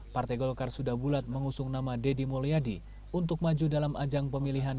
partai golkar sudah bulat mengusung nama deddy mulyadi untuk maju dalam ajang pemilihan